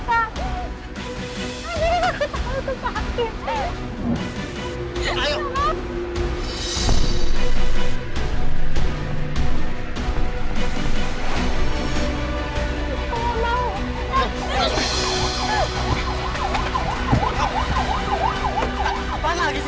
mendingan lo sekarang pergi dari sini